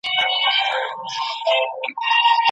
محمدابراهيم سپېڅلى محمدنسيم لاسټر